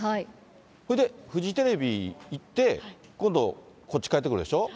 ほんでフジテレビ行って、今度、こっち帰ってくるでしょ。